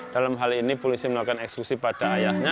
dalam hal ini polisi melakukan eksekusi pada ayahnya